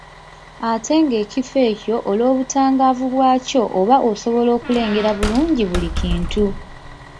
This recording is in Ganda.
Ate ng’ekifo ekyo olw’obutangaavu bwakyo oba osobola okulengera bulungi buli kintu.